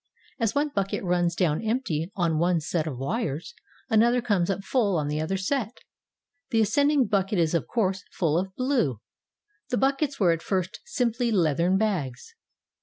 As one bucket runs down empty on one set of wires, another comes up full on the other set. The ascending bucket is, of course, full of "blue." The buckets were at first simply leathern bags.